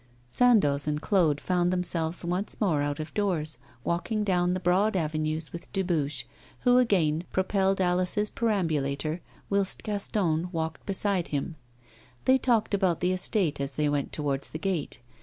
Sandoz and Claude found themselves once more out of doors, walking down the broad avenues with Dubuche, who again propelled Alice's perambulator, whilst Gaston walked beside him. They talked about the estate as they went towards the gate.